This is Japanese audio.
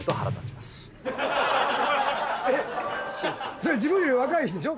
それは自分より若い人でしょ？